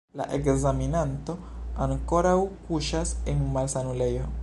La ekzaminanto ankoraŭ kuŝas en malsanulejo.